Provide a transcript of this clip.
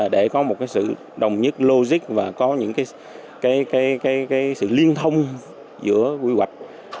để có một cái sự đồng nhất logic và có những cái sự liên thông giữa quy hoạch